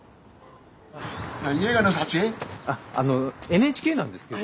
ＮＨＫなんですけど。